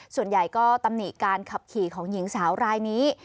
ส่วนใหญ่ก็ตำหนิการขับขี่ของหญิงสาวรายนี้